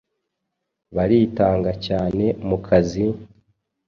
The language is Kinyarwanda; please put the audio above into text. baritanga cyane mu kazi,